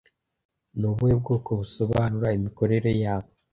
Ni ubuhe bwoko busobanura imikorere yabo